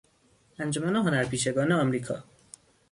انجمن هنرپیشگان آمریکا